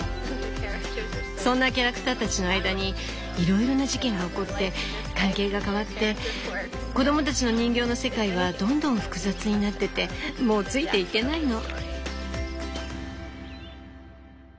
そんなキャラクターたちの間にいろいろな事件が起こって関係が変わって子どもたちの人形の世界はどんどん複雑になっててもうついていけないの。